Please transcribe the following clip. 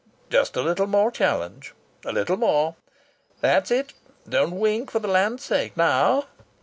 Just a little more challenge a little more! That's it. Don't wink, for the land's sake! Now."